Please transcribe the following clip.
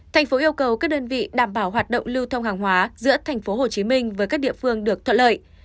thành phố yêu cầu các đơn vị đảm bảo hoạt động lưu thông hàng hóa giữa tp hcm với các địa phương được thuận lợi